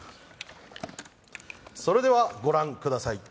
それではご覧ください。